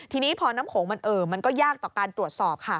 ทีนี้พอน้ำโขงมันเอ่อมันก็ยากต่อการตรวจสอบค่ะ